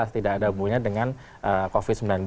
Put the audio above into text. tidak ada hubungannya dengan covid sembilan belas